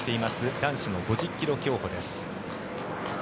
男子の５０ｋｍ競歩です。